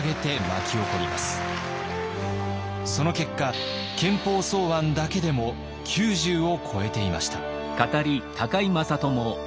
その結果憲法草案だけでも９０を超えていました。